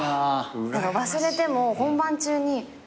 忘れても本番中に。